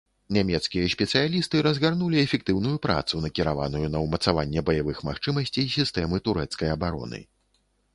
Нямецкія спецыялісты разгарнулі эфектыўную працу, накіраваную на ўмацаванне баявых магчымасцей сістэмы турэцкай абароны.